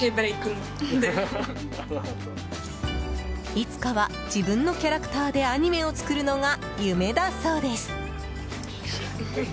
いつかは自分のキャラクターでアニメを作るのが夢だそうです。